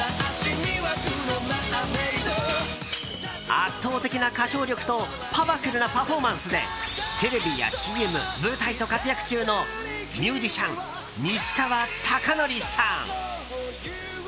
圧倒的の歌唱力とパワフルなパフォーマンスでテレビやＣＭ、舞台と活躍中のミュージシャン、西川貴教さん。